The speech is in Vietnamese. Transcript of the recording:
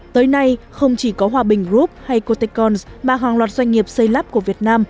tới nay không chỉ có hòa bình group hay cotechons mà hàng loạt doanh nghiệp xây lắp của việt nam